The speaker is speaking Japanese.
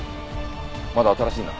まだ新しいな。